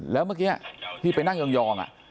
แล้วเมื่อกี้ที่ไปนั่งยอง